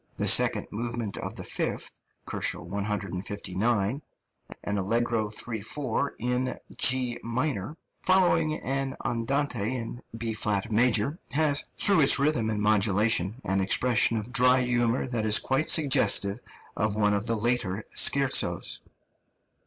The second movement of the fifth (159 K.), an allegro 3 4 in G minor, following an andante in B flat major, has, through its rhythm and modulation, an expression of dry humour that is quite suggestive of one of the later scherzos.